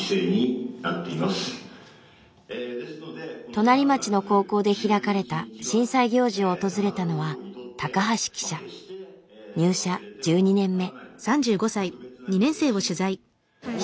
隣町の高校で開かれた震災行事を訪れたのは入社１２年目。